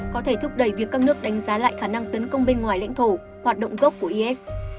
có thể thúc đẩy việc các nước đánh giá lại khả năng tấn công bên ngoài lãnh thổ hoạt động gốc của is